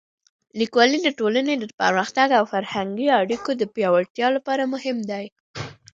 لیکوالی د ټولنې د پرمختګ او فرهنګي اړیکو د پیاوړتیا لپاره مهم دی.